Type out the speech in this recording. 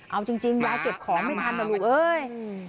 เอาจริงยายเก็บของไม่ทันนะลูกเอ้ย